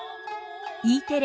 Ｅテレ